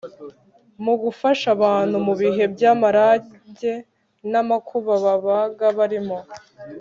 mu gufasha abantu mu bihe by’amage n’amakuba babaga barimo